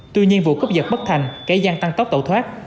tuy nhiên vụ cướp giật bất thành kẻ gian tăng tốc tẩu thoát